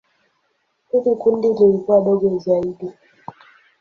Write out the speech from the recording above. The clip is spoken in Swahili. Hili kundi lilikuwa dogo zaidi.